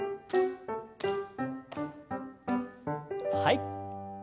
はい。